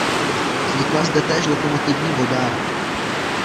Vznikla zde též lokomotivní vodárna.